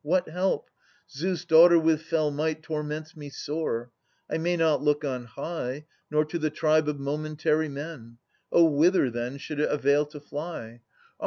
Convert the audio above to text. What help? Zeus' daughter with fell might Torments me sore. I may not look on high. Nor to the tribe of momentary men. — Oh, whither, then. Should it avail to fly ? Ah !